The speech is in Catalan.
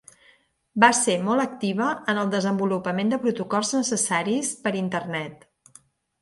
Va ser molt activa en el desenvolupament de protocols necessaris per Internet.